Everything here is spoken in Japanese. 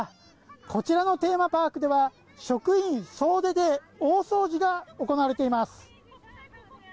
こちらのテーマパークでは職員総出で大掃除が行われています。